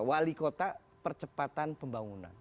wali kota percepatan pembangunan